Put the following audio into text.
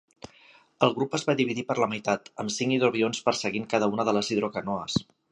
El grup es va dividir per la meitat, amb cinc hidroavions perseguint cada una de les hidrocanoes.